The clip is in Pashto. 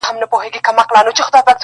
باندي اوښتي وه تر سلو اضافه کلونه؛